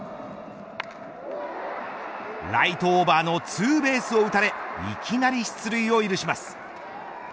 ライトオーバーのツーベースを打たれいきなり出塁を許します。